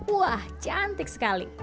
wah cantik sekali